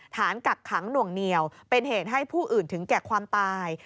กักขังหน่วงเหนียวเป็นเหตุให้ผู้อื่นถึงแก่ความตาย